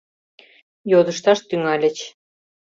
Йодышташ тӱҥальыч.